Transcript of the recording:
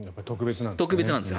特別なんです。